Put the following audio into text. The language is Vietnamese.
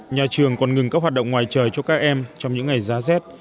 nhà trường còn ngừng các hoạt động ngoài trời cho các em trong những ngày giá rét